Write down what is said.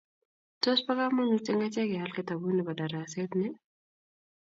tos pokamanut eng achee keal kitaput nepo daraset ni